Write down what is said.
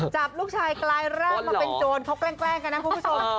จับลูกชายกลายร่างมาเป็นโจรเขาแกล้งกันนะคุณผู้ชม